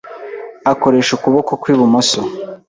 akoresha ukuboko kw’ibumuso